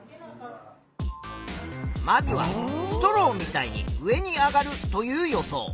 まずは「ストローみたいに上に上がる」という予想。